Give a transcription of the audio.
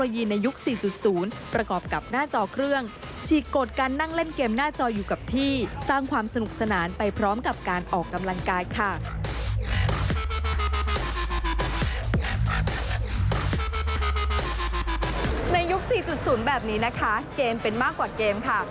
ในยุค๔๐แบบนี้นะคะเกมเป็นมากกว่าเกมค่ะ